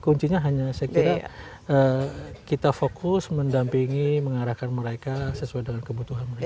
kuncinya hanya saya kira kita fokus mendampingi mengarahkan mereka sesuai dengan kebutuhan mereka